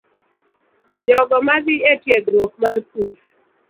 Jogo madhi e tiegruok mar pur,